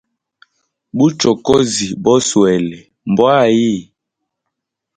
Buchokozi boswele mbwa ayi?